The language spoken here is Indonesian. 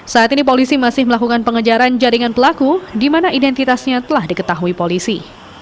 saat ini polisi masih melakukan pengejaran jaringan pelaku di mana identitasnya telah diketahui polisi